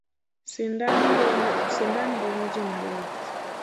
Sindan mbomo ji malit.